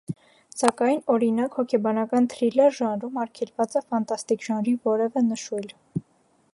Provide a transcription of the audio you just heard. Սակայն, օրինակ, հոգեբանական թրիլլեր ժանրում արգելված է ֆանտաստիկ ժանրի որևէ նշույլ։